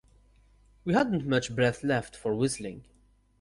We hadn't much breath left for whistling.